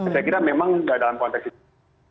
saya kira memang tidak dalam konteks itu